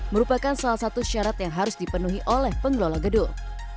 merupakan salah satu syarat yang harus dipenuhi oleh pengelola gedung